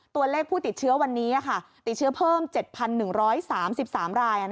ตัวเลขผู้ติดเชื้อวันนี้ติดเชื้อเพิ่ม๗๑๓๓ราย